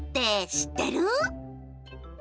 知ってる？